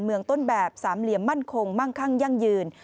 เมืองต้นแบบสามเหลี่ยมมั่นคงมั่งคั่งยั่งยืน